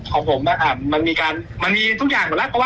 ของผมนะครับมันมีการมันมีทุกอย่างเหมือนแหละ